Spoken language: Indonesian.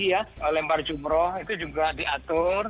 misalnya tadi pagi ya lempar jumroh itu juga diatur